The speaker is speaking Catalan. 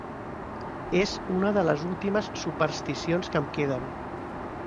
És una de les últimes supersticions que em queden.